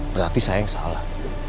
berarti saya yang salah